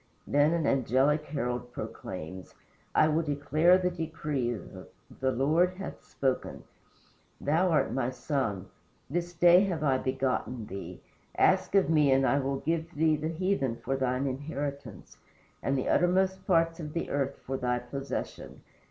Then an angelic herald proclaims: "I will declare the decree. The Lord hath spoken: Thou art my Son; This day have I begotten thee: Ask of me and I will give the heathen for thine inheritance, And the uttermost parts of the earth for thy possession."